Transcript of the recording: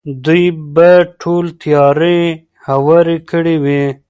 دوی به ټولې تیارې هوارې کړې وي.